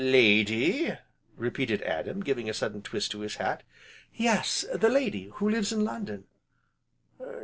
"Lady?" repeated Adam, giving a sudden twist to his hat. "Yes, the lady who lives in London?"